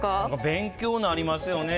勉強なりますよね。